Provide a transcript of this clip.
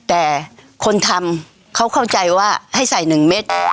แต่คนทำเขาเข้าใจว่าให้ใส่๑เม็ด